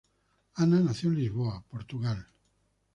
Ana nació en Lisboa, Portugal.